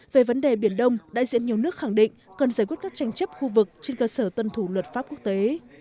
về vấn đề biển đông đại diện nhiều nước khẳng định cần giải quyết các tranh chấp khu vực trên cơ sở tuân thủ luật pháp quốc tế